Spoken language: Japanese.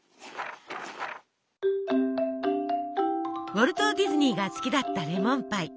ウォルト・ディズニーが好きだったレモンパイ。